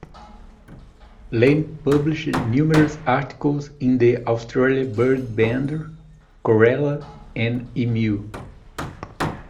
Lane published numerous articles in the "Australian Bird Bander", "Corella" and "Emu".